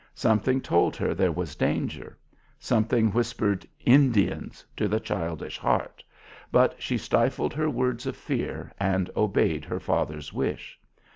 Something told her there was danger; something whispered "Indians!" to the childish heart; but she stifled her words of fear and obeyed her father's wish.